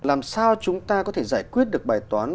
làm sao chúng ta có thể giải quyết được bài toán